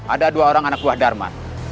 ada dua orang anak buah dharma